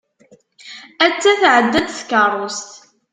Atta tεedda-d tkeṛṛust.